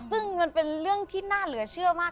ซึ่งมันเป็นเรื่องที่น่าเหลือเชื่อมาก